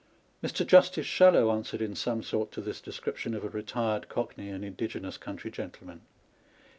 Mr, Justice Shallow answered in some sort to this description of a retired Cockney and indigenous country gentleman.